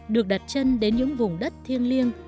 được đặt chân đến những vùng đất thiêng liêng